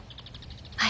はい。